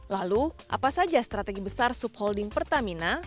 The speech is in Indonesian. lalu apa saja strategi besar subholding pertamina